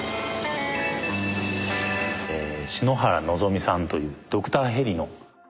篠原希さんというドクターヘリの。